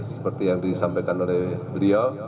seperti yang disampaikan oleh beliau